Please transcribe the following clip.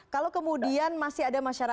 kalau kemudian masih ada masyarakat